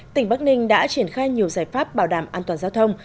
tỉnh bắc ninh đã triển khai nhiều giải pháp bảo đảm an toàn giao thông